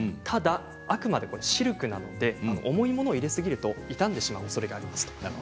ただ、あくまでシルクなので重いものを入れすぎると傷んでしまうおそれがあります。